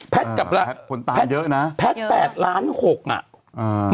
แพทย์กับคนตามเยอะนะแพทย์แปดล้านหกอ่ะอืม